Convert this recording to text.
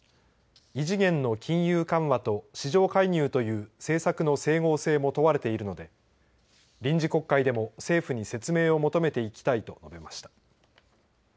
異次元の金融緩和と市場介入という政策の整合性も問われているので臨時国会でも、政府に説明を求めていきたいと述べました。